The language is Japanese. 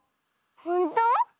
ほんと？